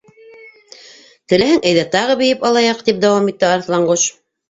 — Теләһәң, әйҙә, тағы бейеп алайыҡ? — тип дауам итте Арыҫланҡош.